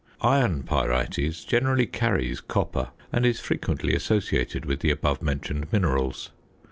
Iron pyrites generally carries copper and is frequently associated with the above mentioned minerals.